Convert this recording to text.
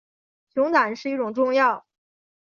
熊胆是一种中药。